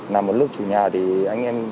nằm ở lúc chủ nhà thì anh em tôi